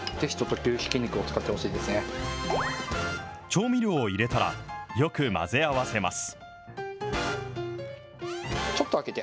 調味料を入れたら、よく混ぜ合わせます。